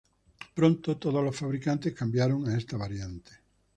Pronto todos los fabricantes cambiaron a esta variante.